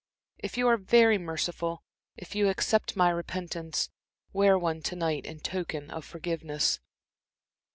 If you are very merciful, if you accept my repentance, wear one to night in token of forgiveness."